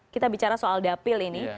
kita bicara soal dapil ini